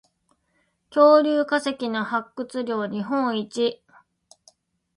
恐竜化石の発掘量日本一